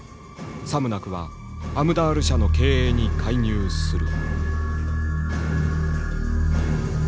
さもなくばアムダール社の経営に介入する」。